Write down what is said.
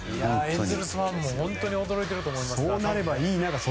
エンゼルスファンも驚いていると思います。